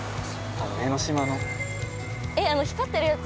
江の島のあの光ってるやつ？